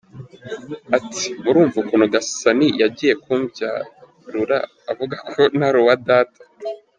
Ati: “murumva ukuntu Gasani yagiye kumbyarura, avuga ko ntari uwa Data.